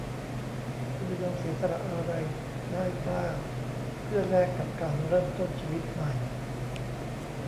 "คุณจะยอมเสียสละอะไรได้บ้างเพื่อแลกกับการเริ่มต้นชีวิตใหม่ ?"